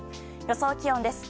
予想気温です。